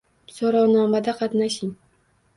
Soʻrovnomada qatnashing.